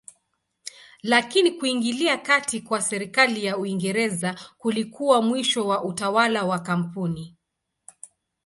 Lakini kuingilia kati kwa serikali ya Uingereza kulikuwa mwisho wa utawala wa kampuni.